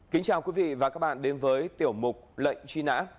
kính chào quý vị và các bạn đến với tiểu mục lệnh truy nã